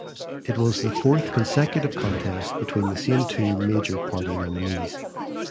It was the fourth consecutive contest between the same two major party nominees.